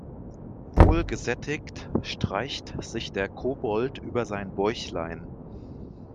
Wohl gesättigt streicht sich der Kobold über sein Bäuchlein.